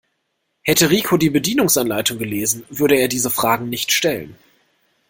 Hätte Rico die Bedienungsanleitung gelesen, würde er diese Fragen nicht stellen.